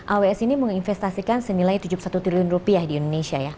aws ini menginvestasikan senilai tujuh puluh satu triliun rupiah di indonesia ya